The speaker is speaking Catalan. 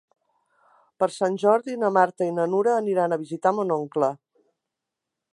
Per Sant Jordi na Marta i na Nura aniran a visitar mon oncle.